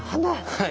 はい。